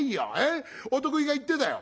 お得意が言ってたよ。